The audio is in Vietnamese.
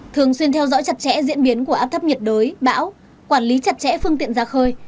thường xuyên theo dõi chặt chẽ diễn biến của áp thấp nhiệt đới bão quản lý chặt chẽ phương tiện ra khơi